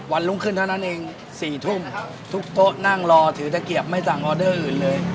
วันรุ่งขึ้นเท่านั้นเอง๔ทุ่มทุกโต๊ะนั่งรอถือตะเกียบไม่สั่งออเดอร์อื่นเลย